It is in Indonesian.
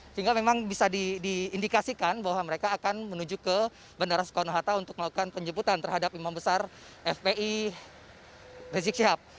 sehingga memang bisa diindikasikan bahwa mereka akan menuju ke bandara soekarno hatta untuk melakukan penjemputan terhadap imam besar fpi rizik syihab